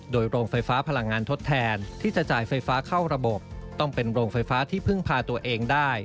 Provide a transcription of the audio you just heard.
โดยโรงไฟฟ้าพลังงานทดแทนที่จะจ่ายไฟฟ้าเข้าระบบต้องเป็นโรงไฟฟ้าที่พึ่งพาตัวเองได้